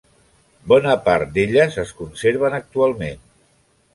Bona part d'elles es conserven actualment.